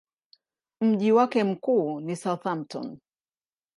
Mji wake mkuu ni Southampton.